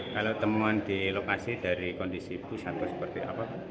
kalau teman di lokasi dari kondisi pusat itu seperti apa